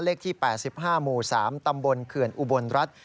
เลขที่๘๕หมู่๓ตำบลเขื่อนอุบลรัฐ